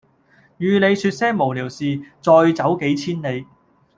與你說些無聊事再走幾千里